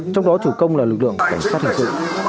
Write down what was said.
trong đó chủ công là lực lượng cảnh sát hình sự